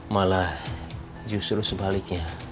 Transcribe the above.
malah justru sebaliknya